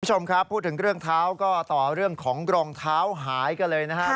คุณผู้ชมครับพูดถึงเรื่องเท้าก็ต่อเรื่องของรองเท้าหายกันเลยนะฮะ